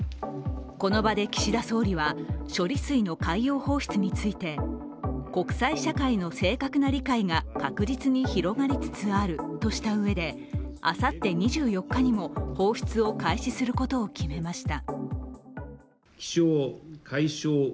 この場で、岸田総理は処理水の海洋放出について、国際社会の正確な理解が確実に広がりつつあるとしたうえであさって２４日にも放出を開始することを決めました。